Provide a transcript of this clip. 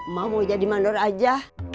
mau jadi mandor aja